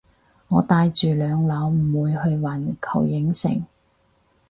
我帶住兩老唔會去環球影城